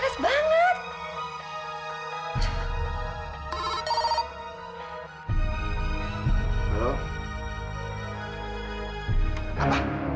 aduh kudanya banget aneh aja